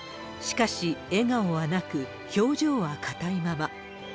しかし、笑顔はなく、表情は硬いまま。